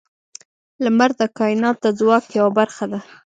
• لمر د کائنات د ځواک یوه برخه ده.